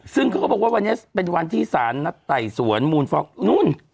ซึ่งเขาก็บอกว่าวันนี้เป็นวันที่สารนัดไต่สวนมูลฟ้องนู่น